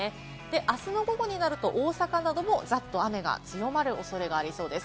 あすの午後になると大阪などもざっと雨が強まる恐れがありそうです。